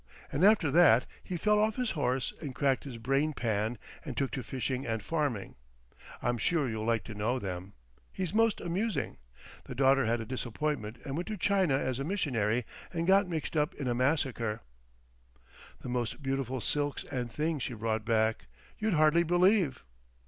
And after that he fell off his horse and cracked his brain pan and took to fishing and farming. I'm sure you'll like to know them. He's most amusing.... The daughter had a disappointment and went to China as a missionary and got mixed up in a massacre."... "The most beautiful silks and things she brought back, you'd hardly believe!"